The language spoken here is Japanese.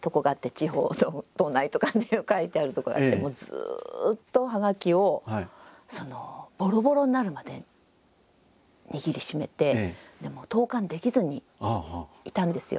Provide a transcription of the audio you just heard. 「地方」と「都内」とかっていう書いてあるとこがあってもうずっとはがきをボロボロになるまで握りしめて投かんできずにいたんですよ。